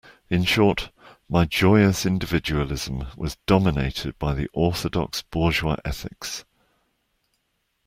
In short, my joyous individualism was dominated by the orthodox bourgeois ethics.